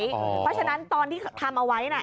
เพราะฉะนั้นตอนที่ทำเอาไว้นะ